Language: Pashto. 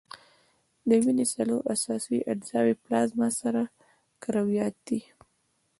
د وینې څلور اساسي اجزاوي پلازما، سره کرویات دي.